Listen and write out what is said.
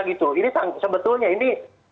gitu ini sebetulnya ini